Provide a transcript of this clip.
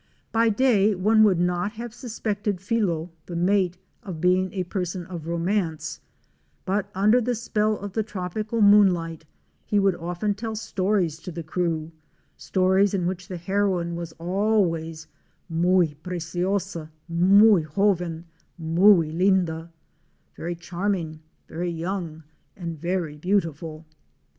By day one would not have suspected Filo, the mate, of being a person of romance; but under the spell of the tropi cal moonlight he would often tell stories to the crew; stories in which the heroine was always "Muy preciosa, muy joven, muy linda,' —very charming, very young and very beautiful.